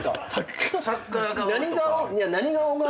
何顔。